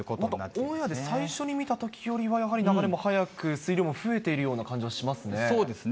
オンエアで最初に見たときよりは、やはり流れも速く、水量も増えているような感じはしますね。